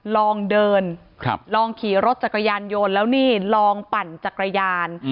ลองเดินลองขี่รถจักรยานยนต์แล้วนี่ลองปั่นจักรยาน